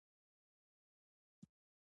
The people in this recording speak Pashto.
ای وړې دلته راشه.